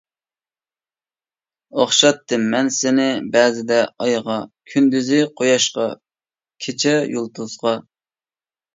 ئوخشاتتىم مەن سىنى بەزىدە ئايغا، كۈندۈزى قۇياشقا كېچە يۇلتۇزغا.